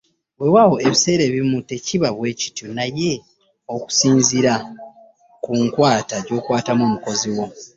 Weewaawo ebiseera ebimu tekiba bwekityo naye okusinziira ku nkwata gy'okwatamu omukozi wo.